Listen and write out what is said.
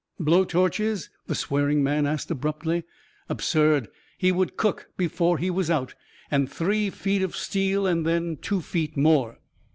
"Blowtorches?" the swearing man asked abruptly. "Absurd. He would cook before he was out. And three feet of steel and then two feet more."